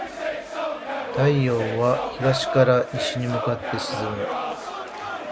太陽は東から西に向かって沈む。